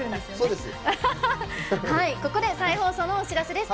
ここで再放送のお知らせです。